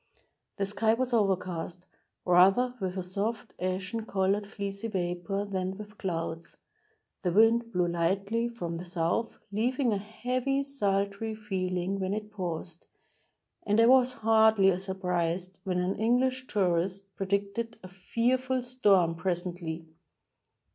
The sky was overcast, rather with a soft, ashen colored fleecy vapor than with clouds ; the wind blew lightly from the south, leaving a heavy, sultry feeling when it paused, and I was hardly surprised when an English tourist pre dicted "a. fearful storm, presently."